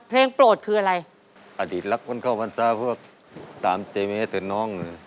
เพลงโปรดคืออะไรอดีตรักวันเข้าวันสาวเพราะว่าตามเจมส์เจ็ดน้อง